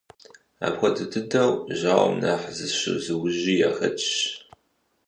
Апхуэдэ дыдэу, жьауэм нэхъ зыщызыужьи яхэтщ.